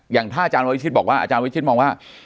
อย่างถ้าอาจารย์ไว้ชิดบอกว่า